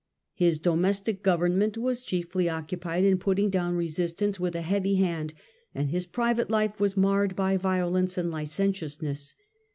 His domestic government was chiefly occupied in putting down resistance with a heavy hand, and his private fife was marred by violence and licentiousness.